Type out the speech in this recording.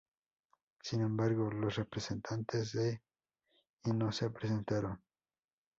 Sin embargo, los representantes de y no se presentaron.